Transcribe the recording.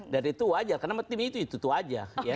dari itu wajar karena tim itu itu wajar ya